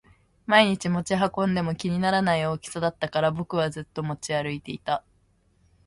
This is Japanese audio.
毎日持ち運んでも気にならない大きさだったから僕はずっと持ち歩いていた